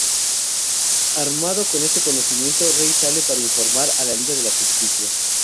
Armado con este conocimiento, Ray sale para informar a la Liga de la Justicia.